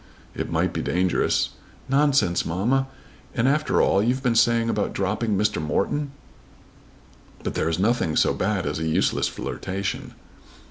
"It might be dangerous." "Nonsense, mamma! And after all you've been saying about dropping Mr. Morton!" "But there is nothing so bad as a useless flirtation."